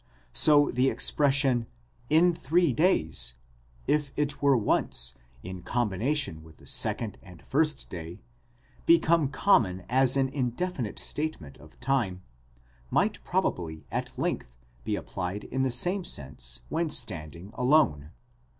1, 3); so the expression, im three days, if it were once, in combination with the second and first day, become common as an indefinite statement of time, might probably at length be applied in the same sense when standing alone.